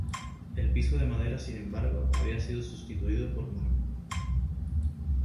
El piso de madera sin embargo había sido sustituido por mármol.